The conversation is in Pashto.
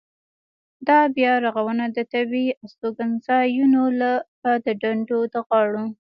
دا بیا رغونه د طبیعي استوګنځایونو لکه د ډنډونو د غاړو.